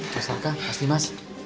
kasar kak pasti mas